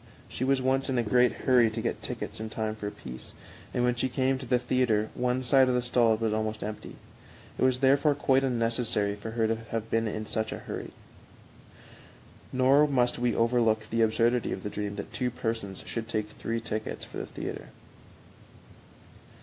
She was once in a great hurry to get tickets in time for a piece, and when she came to the theater one side of the stalls was almost empty. It was therefore quite unnecessary for her to have been in such a hurry. Nor must we overlook the absurdity of the dream that two persons should take three tickets for the theater.